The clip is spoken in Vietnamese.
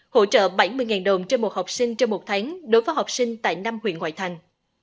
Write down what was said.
hỗ trợ bảy mươi đồng trên một học sinh trên một tháng đối với học sinh tại năm huyện ngoại thành